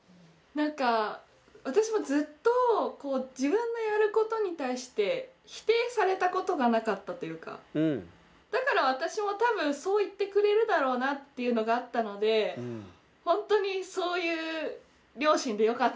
なんか私もずっと自分のやることに対して否定されたことがなかったというかだから私も多分そう言ってくれるだろうなっていうのがあったので本当にそういう両親でよかったなって思います。